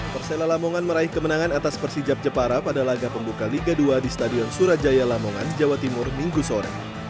persela lamongan meraih kemenangan atas persijab jepara pada laga pembuka liga dua di stadion surajaya lamongan jawa timur minggu sore